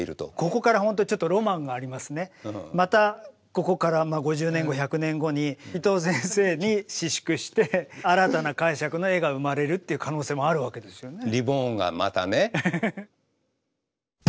ここから本当にちょっとまたここから５０年後１００年後に新たな解釈の絵が生まれるっていう可能性もあるわけですよね。